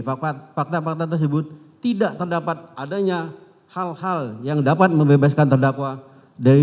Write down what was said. fakta fakta tersebut tidak terdapat adanya hal hal yang dapat membebaskan terdakwa dari